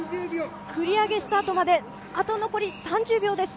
繰り上げスタートまで、あと残り３０秒です。